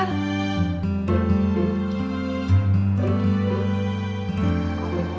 kenapa tuh cuma sebentar